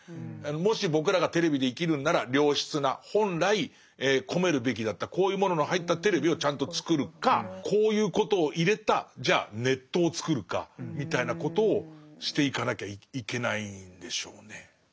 もし僕らがテレビで生きるんなら良質な本来込めるべきだったこういうものの入ったテレビをちゃんとつくるかこういうことを入れたじゃあネットをつくるかみたいなことをしていかなきゃいけないんでしょうね。